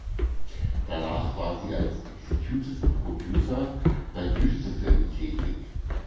Danach war sie als Executive Producer bei Wüste Film tätig.